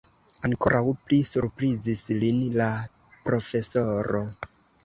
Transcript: Ankoraŭ pli surprizis lin la profesoro.